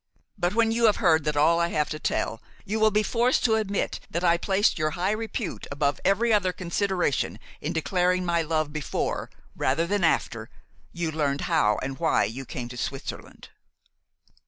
But when you hear all that I have to tell, you will be forced to admit that I placed your high repute above every other consideration in declaring my love before, rather than after, you learned how and why you came to Switzerland."